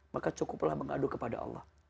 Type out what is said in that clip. maka cukuplah mengadu kepada allah